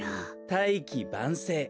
「大器晩成」。